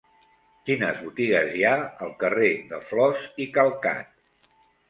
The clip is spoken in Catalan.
Quines botigues hi ha al carrer de Flos i Calcat?